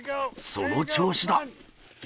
その調子だ。